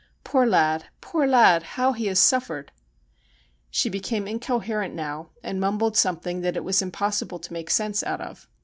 Poor lad, poor lad, how he has suffered !' She became incoherent now, and mumbled something that it was impossible to make sense out of.